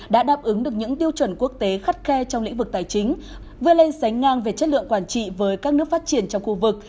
đã đáp ứng được những tiêu chuẩn quốc tế khắt khe trong lĩnh vực tài chính vừa lên sánh ngang về chất lượng quản trị với các nước phát triển trong khu vực